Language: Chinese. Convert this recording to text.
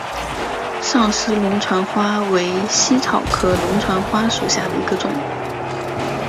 上思龙船花为茜草科龙船花属下的一个种。